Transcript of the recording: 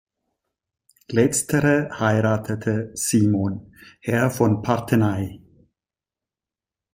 Letztere heiratete Simon, Herr von Parthenay.